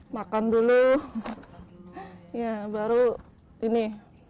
makan dulu baru ini